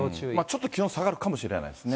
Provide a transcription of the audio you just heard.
ちょっと気温下がるかもしれないですね。